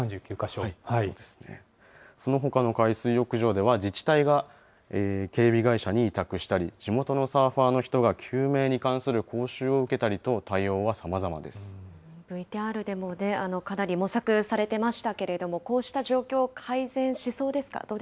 そのほかの海水浴場では、自治体が警備会社に委託したり、地元のサーファーの人が救命に関する講習を受けたりと、対応は様ＶＴＲでもかなり模索されていましたけれども、こうした状況、改善しそうですか？